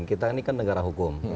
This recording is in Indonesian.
kita ini kan negara hukum